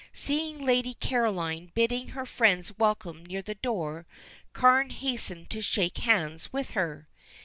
Seeing Lady Caroline bidding her friends welcome near the door, Carne hastened to shake hands with her.